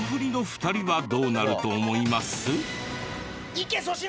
いけ粗品！